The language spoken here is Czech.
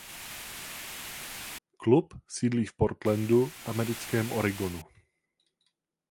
Klub sídlí v Portlandu v americkém Oregonu.